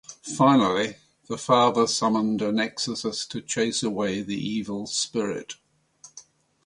Finally, the father summoned an exorcist to chase away the evil spirit.